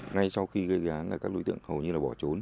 ngay sau khi gây án là các đối tượng hầu như là bỏ trốn